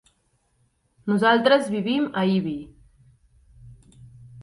Nosaltres vivim a Ibi.